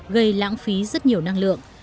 gây lãng phí rất nhiều năng lượng